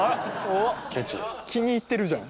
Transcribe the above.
気に入ってるじゃん！